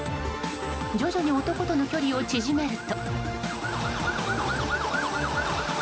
徐々に男との距離を縮めると。